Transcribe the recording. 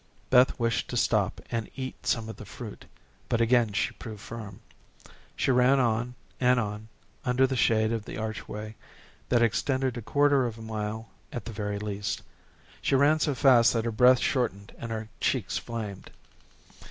Beth wished to stop and eat some of the fruit, but again she proved firm. She ran on and on under the shade of the archway that extended a quarter of a mile at the very least. She ran so fast that her breath shortened and her cheeks flamed.